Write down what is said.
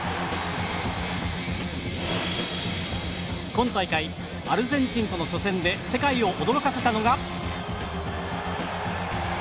今大会、アルゼンチンとの初戦で世界を驚かせたのが。